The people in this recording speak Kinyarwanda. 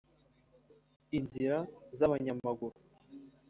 inzira z’abanyamaguru